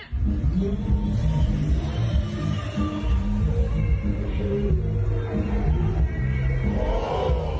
ไอ้เกด